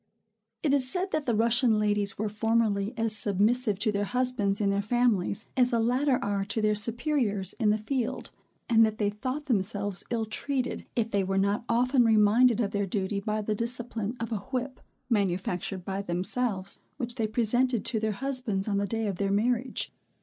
It is said that the Russian ladies were formerly as submissive to their husbands in their families, as the latter are to their superiors in the field; and that they thought themselves ill treated, if they were not often reminded of their duty by the discipline of a whip, manufactured by themselves, which they presented to their husbands on the day of their marriage.